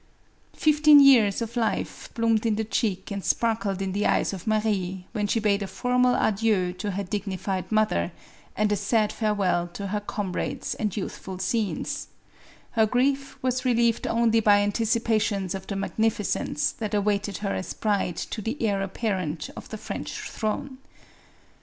Fifteen years of life bloomed in the cheek and spar kled in the eyes of Marie when she bade a formal adieu to her dignified mother, and a sad farewell to her comrades and youthful scenes ; her grief was re lieved only by anticipations of the magnificence that awaited her as bride to the heir apparent of the French throne.